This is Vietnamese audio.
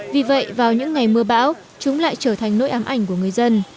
vì vậy vào những ngày mưa bão chúng lại trở thành nỗi ám ảnh của người dân